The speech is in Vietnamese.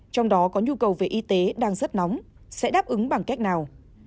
trong đó có nhu cầu về y tế đang rất nóng sẽ đáp ứng bằng cách nào